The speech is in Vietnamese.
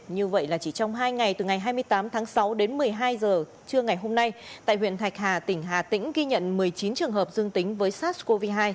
như vậy là chỉ trong hai ngày từ ngày hai mươi tám tháng sáu đến một mươi hai h trưa ngày hôm nay tại huyện thạch hà tỉnh hà tĩnh ghi nhận một mươi chín trường hợp dương tính với sars cov hai